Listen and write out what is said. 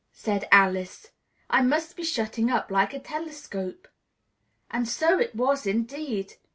said Alice. "I must be shutting up like a telescope!" And so it was indeed!